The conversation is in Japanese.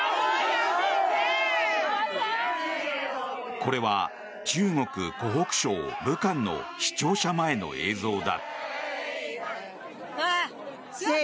これは中国・湖北省武漢の市庁舎前の映像だ。